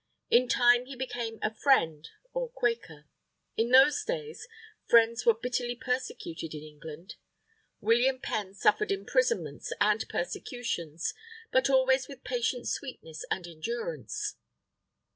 In time he became a Friend or Quaker. In those days, Friends were bitterly persecuted in England. William Penn suffered imprisonments and persecutions, but always with patient sweetness and endurance.